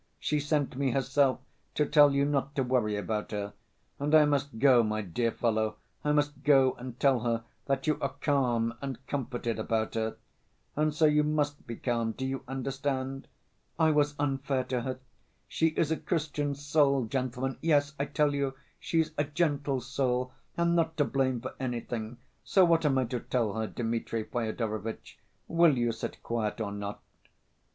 She sent me herself, to tell you not to worry about her. And I must go, my dear fellow, I must go and tell her that you are calm and comforted about her. And so you must be calm, do you understand? I was unfair to her; she is a Christian soul, gentlemen, yes, I tell you, she's a gentle soul, and not to blame for anything. So what am I to tell her, Dmitri Fyodorovitch? Will you sit quiet or not?"